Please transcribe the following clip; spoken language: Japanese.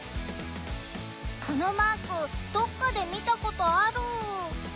このマークどっかで見たことある。